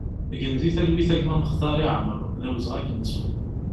Gen di talwit a gma Muxtari Amar, d awezɣi ad k-nettu!